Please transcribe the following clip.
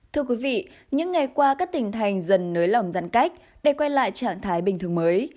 thưa quý vị những ngày qua các tỉnh thành dần nới lỏng giãn cách để quay lại trạng thái bình thường mới